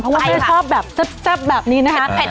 เพราะว่าถ้าชอบแบบแซ่บแบบนี้นะคะ